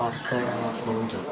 warga yang menolong